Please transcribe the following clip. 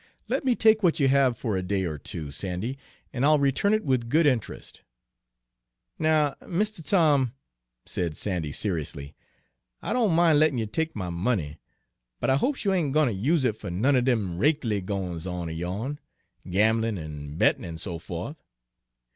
Let me take what you have for a day or two, Sandy, and I'll return it with good interest." "Now, Mistuh Tom," said Sandy seriously, "I don' min' lettin' you take my money, but I hopes you ain' gwine ter use it fer none er dem rakehelly gwines on er yo'n, gamblin' an' bettin' an' so fo'th.